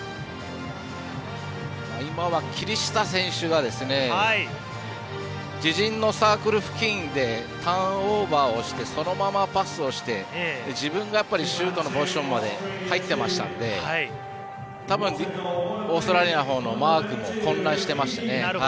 今は、霧下選手が自陣のサークル付近でターンオーバーをして、そのままパスをして自分がシュートのポジションまで入ってましたのでたぶん、オーストラリアのほうのマークも混乱してましたね。